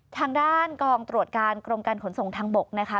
ทางด้านกองตรวจการกรมการขนส่งทางบกนะคะ